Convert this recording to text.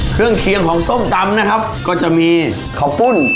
เครื่องเคียงของส้มตำนะครับก็จะมีข้าวปุ้น